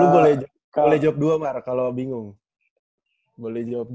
boleh jawab dua mar kalau bingung boleh jawab